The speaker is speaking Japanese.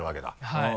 はい。